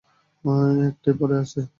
একটাই পড়ে আছে।